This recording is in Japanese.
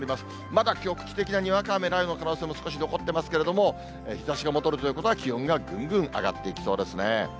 まだ局地的なにわか雨、雷雨の可能性も少し残ってますけれども、日ざしが戻るということは、気温がぐんぐん上がっていきそうですね。